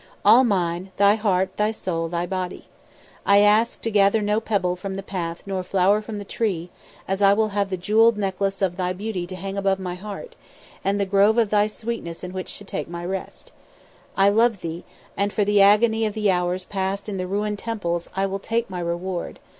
All mine, thy heart, thy soul, thy body. I ask to gather no pebble from the path nor flower from the tree; I will have the jewelled necklace of thy beauty to hang above my heart, and the grove of thy sweetness in which to take my rest. I love thee, and for the agony of the hours passed in the ruined temples I will take my reward.